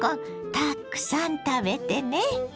たくさん食べてね。